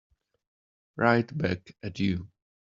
Right back at you.